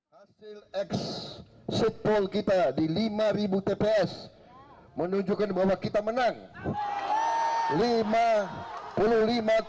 hasil x seed poll kita di lima ribu tps menunjukkan bahwa kita menang